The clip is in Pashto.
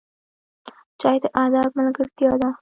چای د ادب ملګرتیا ده